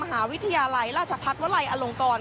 ภาษาวิทยาลัยราชภัษภัษภ์ไว้แนวร้างก่อน